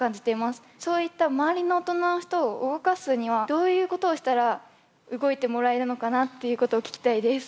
そういった周りの大人の人を動かすにはどういうことをしたら動いてもらえるのかなっていうことを聞きたいです。